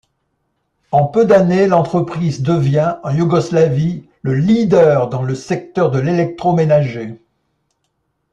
En peu d'années l'entreprise devient, en Yougoslavie, le leader dans le secteur de l’électroménager.